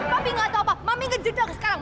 papi gak tau apa mami ngejuta sekarang